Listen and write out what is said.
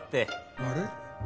あれ？